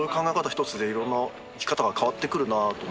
ひとつでいろんな生き方が変わってくるなと思って。